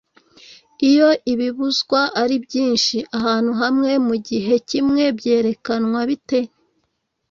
iyo ibibuzwa ari byinshi ahantu hamwe mugihe kimwe byerekanwa bite?